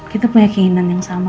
kita punya keinginan yang sama